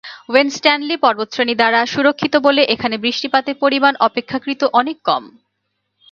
When Stanley পর্বতশ্রেণী দ্বারা সুরক্ষিত বলে এখানে বৃষ্টিপাতের পরিমাণ অপেক্ষাকৃত অনেক কম।